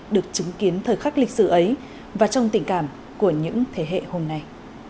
được chứng kiến thời khắc lịch sử ấy và trong tình cảm của những thế hệ hôm nay